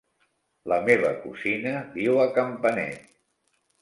La meva cosina viu a Campanet.